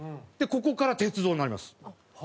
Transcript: ここから鉄道になります。